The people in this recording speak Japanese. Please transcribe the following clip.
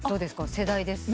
世代ですか？